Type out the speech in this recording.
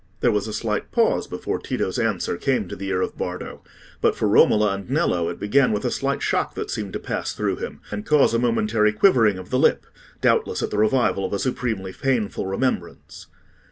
There was a slight pause before Tito's answer came to the ear of Bardo; but for Romola and Nello it began with a slight shock that seemed to pass through him, and cause a momentary quivering of the lip; doubtless at the revival of a supremely painful remembrance.